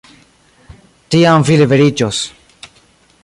Tiam vi liberiĝos.